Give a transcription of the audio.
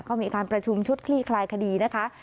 ก็มีการประชุมชุดคลี่คลายคดีนะคะ